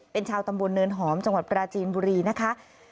เป็นชาวตำบลเนินหอมจังหวัดปราจีนบุรีนะคะ